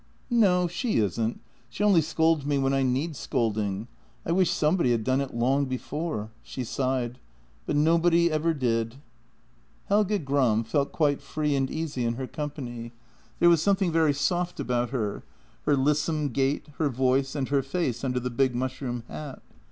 "No, she isn't. She only scolds me when I need scolding: I wish somebody had done it long before." She sighed. " But nobody ever did." Helge Gram felt quite free and easy in her company. There was something very soft about her — her lissom gait, her voice, and her face under the big mushroom hat.